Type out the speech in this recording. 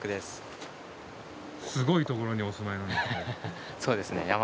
すごいところにお住まいなんですね。